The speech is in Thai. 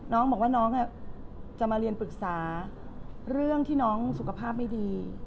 น้องบอกว่าน้องจะมาเรียนปรึกษาเรื่องที่น้องสุขภาพไม่ดี